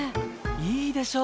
いいでしょ